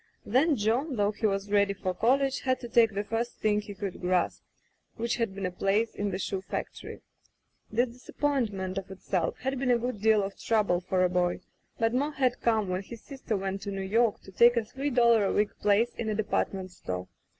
Then John, though he was ready for college, had to take the first thing he could grasp, which had been a place in the shoe factory. This disappointment, of itself, had been a good deal of trouble for a boy, but more had come when his sister went to New York to take a three doUar a week place in a department store.